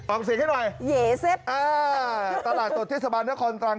ออกเสียงให้หน่อยอ่าตลาดตรวจเทศบาลนครตราง